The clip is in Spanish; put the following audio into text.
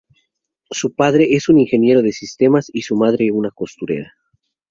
Su padre es un ingeniero de sistemas y su madre una costurera.